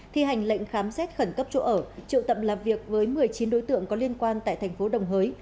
thi hành lệnh khám xét khẩn cấp chỗ ở triệu tập làm việc với một mươi chín đối tượng có liên quan tại thành phố đồng hới